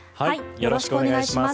よろしくお願いします。